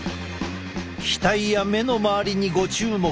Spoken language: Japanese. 額や目の周りにご注目。